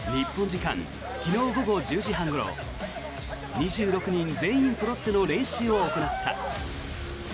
時間昨日午後１０時半ごろ２６人全員そろっての練習を行った。